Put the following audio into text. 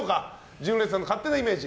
純烈さんの勝手なイメージ。